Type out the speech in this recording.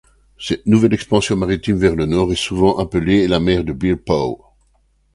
Cette nouvelle expansion maritime vers le nord est souvent appelée la mer de Bearpaw.